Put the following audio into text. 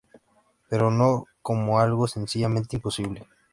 Pero no como algo, sencillamente, imposible.